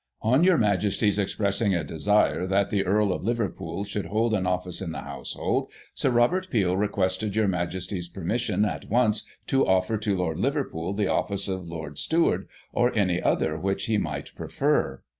"' On your Majesty's expressing a desire that the Earl of Liverpool should hold an office in the household. Sir Robert Peel requested your Majesty's permission at once to offer Digiti ized by Google 1839] LADIES OF THE BEDCHAMBER. 93 to Lord Liverpool the office of Lord Steward, or any other which he might prefer.